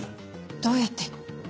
どうやって？